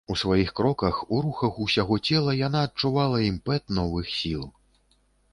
У сваіх кроках, у рухах усяго цела яна адчувала імпэт новых сіл.